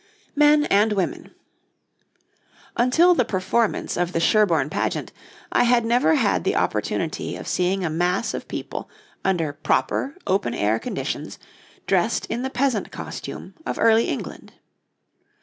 MEN AND WOMEN Until the performance of the Sherborne Pageant, I had never had the opportunity of seeing a mass of people, under proper, open air conditions, dressed in the peasant costume of Early England.